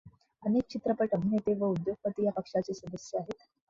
अनेक चित्रपट अभिनेते व उद्योगपती या पक्षाचे सदस्य आहेत.